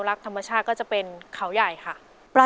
รวมเจ้าก็จะเป็นเขา